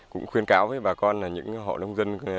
cũng khuyên cáo với bà con là những hộ nông dân